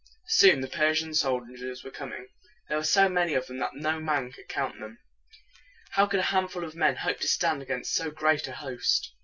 Soon the Persian soldiers were seen coming. There were so many of them that no man could count them. How could a handful of men hope to stand against so great a host?